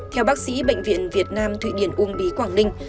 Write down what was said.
theo bác sĩ bệnh viện việt nam thụy điển uông bí quảng ninh